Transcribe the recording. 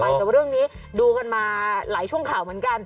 แต่ว่าเรื่องนี้ดูกันมาหลายช่วงข่าวเหมือนกัน